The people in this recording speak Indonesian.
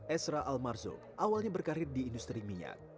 esra almarzo awalnya berkarir di industri minyak